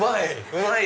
うまい！